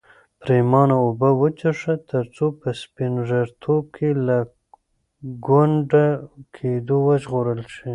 پرېمانه اوبه وڅښه ترڅو په سپین ږیرتوب کې له ګونډه کېدو وژغورل شې.